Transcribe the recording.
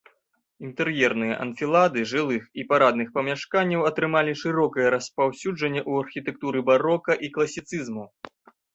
Інтэр'ерныя анфілады жылых і парадных памяшканняў атрымалі шырокае распаўсюджанне ў архітэктуры барока і класіцызму.